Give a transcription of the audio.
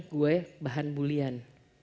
gue bahan bulian